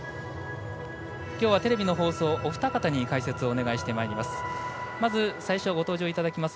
テレビの放送、お二方に解説をお願いしてまいります。